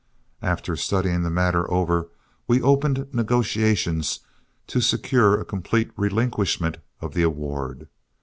After studying the matter over, we opened negotiations to secure a complete relinquishment of the award.